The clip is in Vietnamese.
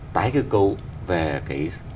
tái cơ cấu về cái